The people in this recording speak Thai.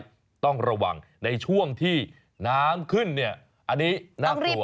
เอาไว้ต้องระวังในช่วงที่น้ำขึ้นอันนี้น่ากลัว